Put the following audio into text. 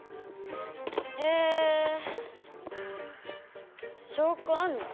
へえ証拠あんの？